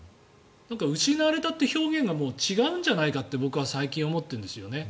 失われたという表現が違うんじゃないかって僕は最近思っているんですよね。